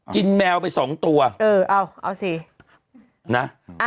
แมวไปสองตัวเออเอาเอาสินะ